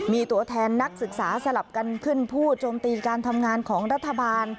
มีตัวแทนนักศึกษาสลับกันขึ้นผู้โจมตีการทำงานของรัฐบาล